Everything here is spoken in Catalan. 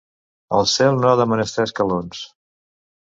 El cel no ha de menester escalons.